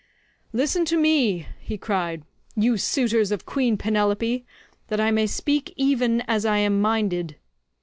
"Listen to me," he cried, "you suitors of Queen Penelope, that I may speak even as I am minded.